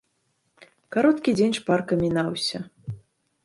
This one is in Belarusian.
Кароткі дзень шпарка мінаўся.